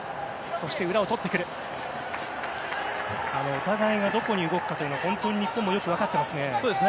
お互いがどこに動くかが本当に日本もよく分かっていますね。